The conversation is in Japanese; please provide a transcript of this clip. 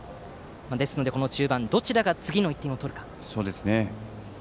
この中盤どちらが次の１点を取るか。